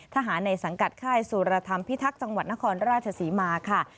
ทหารในสังกัดค่ายสุรธรรมพิทักษ์จังหวัดนครราชศรีมาค่ะ